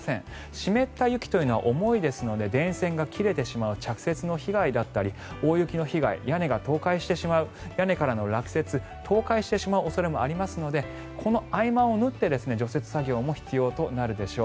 湿った雪というのは重いですので電線が切れてしまう着雪の被害だったり大雪の被害屋根が倒壊してしまう屋根からの落雪倒壊してしまう恐れもありますのでこの合間を縫って除雪作業も必要となるでしょう。